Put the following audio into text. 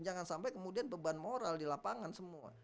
jangan sampai kemudian beban moral di lapangan semua